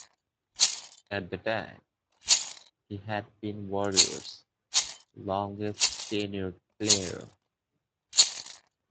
At the time, he had been the Warriors' longest-tenured player.